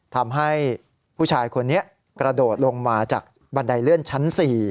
ทำให้ผู้ชายคนนี้กระโดดลงมาจากบันไดเลื่อนชั้น๔